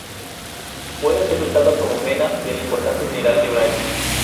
Puede ser usado como mena del importante mineral de uranio.